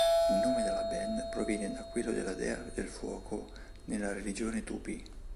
Il nome della band proviene da quello della Dea del fuoco nella religione Tupi.